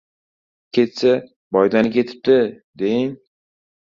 — Ketsa, boydan ketibdi, deng!